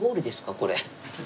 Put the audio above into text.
これ。